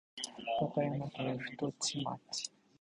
和歌山県太地町